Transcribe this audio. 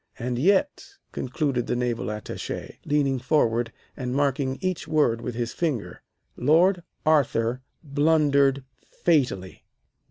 And yet," concluded the Naval Attache, leaning forward and marking each word with his finger, "Lord Arthur blundered fatally.